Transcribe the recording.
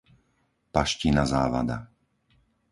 Paština Závada